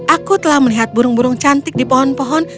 aku telah melihat burung burung cantik di pohon pohon